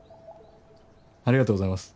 ・ありがとうございます。